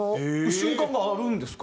瞬間があるんですか？